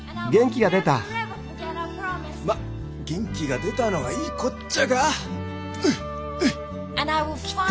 まあ元気が出たのはいいこっちゃが。